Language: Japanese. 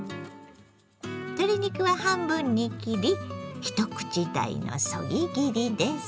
鶏肉は半分に切り一口大のそぎ切りです。